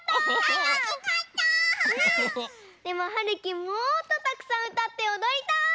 でもはるきもっとたくさんうたっておどりたい！